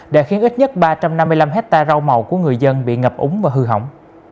đã khiến ít nhất ba trăm năm mươi năm hectare rau màu của người dân bị ngập úng và hư hỏng